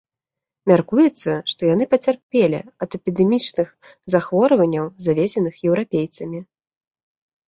Мяркуецца, што яны пацярпелі ад эпідэмічных захворванняў, завезеных еўрапейцамі.